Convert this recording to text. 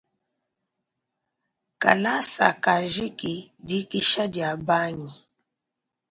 Kalasa kajiki, dikisha dia bangi.